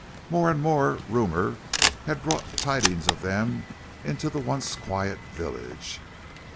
More and more rumor had brought tidings of them into the once quiet village.